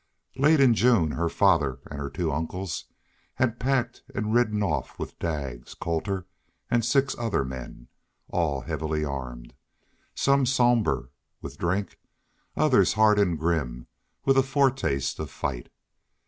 Late in June her father and her two uncles had packed and ridden off with Daggs, Colter, and six other men, all heavily armed, some somber with drink, others hard and grim with a foretaste of fight.